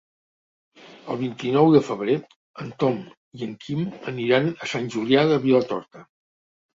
El vint-i-nou de febrer en Tom i en Quim aniran a Sant Julià de Vilatorta.